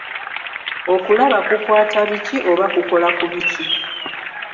Okulaba kukwata biki oba kukola ku biki?